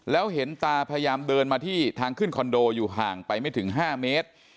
แล้วเห็นตาพยายามเดินมาที่ทางขึ้นคอนโดอยู่ห่างไปไม่ถึง๕เมตร